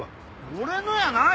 俺のやないわ。